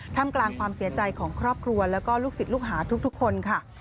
ทำกลางความเสียใจของครอบครัวแล้วก็ลูกศิษย์ลูกหาทุกคนค่ะ